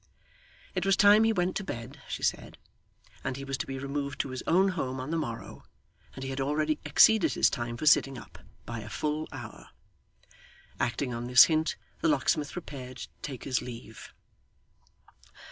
It was time he went to bed, she said. He was to be removed to his own home on the morrow, and he had already exceeded his time for sitting up, by a full hour. Acting on this hint, the locksmith prepared to take his leave.